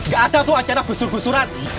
gak ada tuh acara gusur gusuran